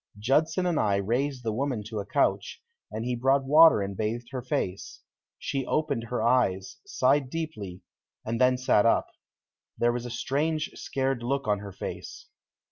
Judson and I raised the woman to a couch, and he brought water and bathed her face. She opened her eyes, sighed deeply, and then sat up. There was a strange scared look on her face.